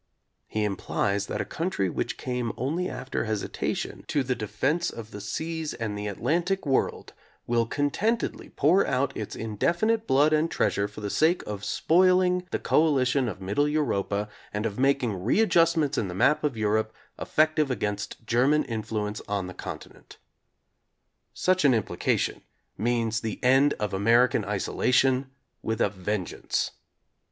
,, He implies that a country which came only after hesitation to the defense of the seas and the At lantic world will contentedly pour out its in definite blood and treasure for the sake of spoiling the coalition of Mittel Europa and of making re adjustments in the map of Europe effective against German influence on the Continent. Such an im plication means the "end of American isolation" with a vengeance.